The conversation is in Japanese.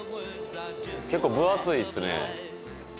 結構分厚いですね。